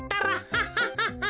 ハハハハ。